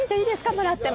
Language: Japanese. もらっても。